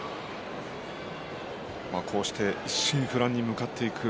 こうして一心不乱に向かっていく